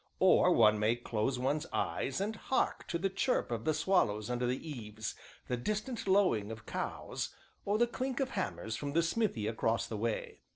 Or one may close one's eyes and hark to the chirp of the swallows under the eaves, the distant lowing of cows, or the clink of hammers from the smithy across the way.